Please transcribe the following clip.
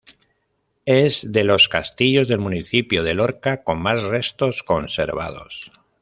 Es de los castillos del municipio de Lorca con más restos conservados.